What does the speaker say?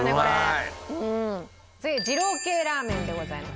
次二郎系ラーメンでございます。